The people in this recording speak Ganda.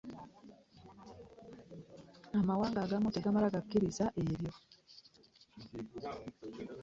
Amawanga agamu tegamala gakkiriza ebyo.